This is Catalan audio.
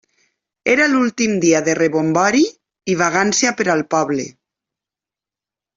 Era l'últim dia de rebombori i vagància per al poble.